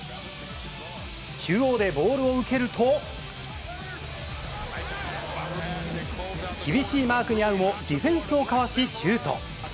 中央でボールを受けると厳しいマークにあうもディフェンスをかわし、シュート。